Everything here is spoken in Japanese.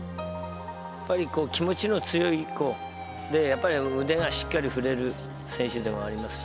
やっぱり気持ちの強い子、で、やっぱり腕がしっかり振れる選手でもありますし。